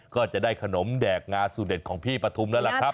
ก็จะได้ขนมแดกงาสูตรเด็ดของพี่ปฐุมแล้วล่ะครับ